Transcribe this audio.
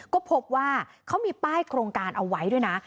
ก็พบว่าเขามีป้ายโครงการเอาไว้ด้วยนะ